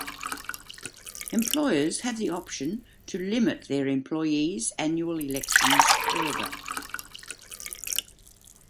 Employers have the option to limit their employees' annual elections further.